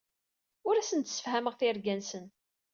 Ur asen-d-ssefhameɣ tirga-nsen.